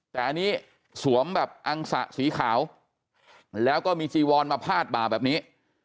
แต่อันนี้สวมแบบอังสะสีขาวแล้วก็มีจีวอนมาพาดบ่าแบบนี้